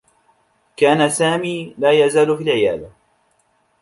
كان سامي لا يزال في العيادة.